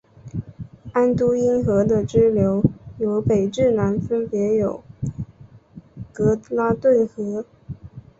安都因河的支流由北至南分别有格拉顿河。